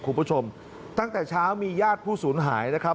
คุณผู้ชมตั้งแต่เช้ามีญาติผู้สูญหายนะครับ